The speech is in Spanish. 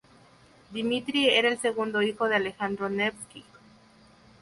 Dmitri era el segundo hijo de Alejandro Nevski.